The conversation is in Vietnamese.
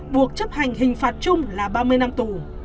buộc chấp hành hình phạt chung là ba mươi năm tù